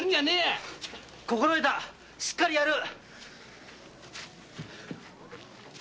心得たしっかりやる。